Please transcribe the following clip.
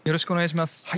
よろしくお願いします。